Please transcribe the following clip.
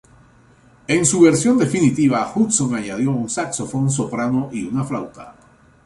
En su versión definitiva, Hudson añadió un saxofón soprano y una flauta.